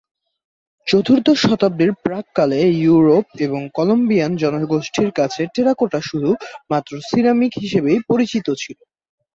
চতুর্দশ শতাব্দীর প্রাক কালে ইউরোপ এবং কলম্বিয়ান জনগোষ্ঠীর কাছে টেরাকোটা শুধু মাত্র সিরামিক হিসাবেই পরিচিত ছিল।